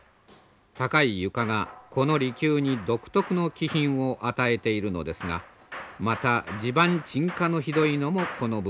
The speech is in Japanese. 高い床がこの離宮に独特の気品を与えているのですがまた地盤沈下のひどいのもこの部分です。